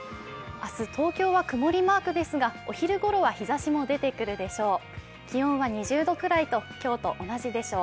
明日、東京は曇りマークですがお昼ごろは日ざしも出てくるでしょう。